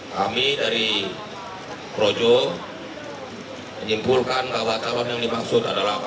kami dari projo menyimpulkan bahwa calon yang dimaksud adalah